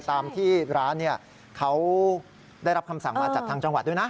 ตามที่ร้านเขาได้รับคำสั่งมาจากทางจังหวัดด้วยนะ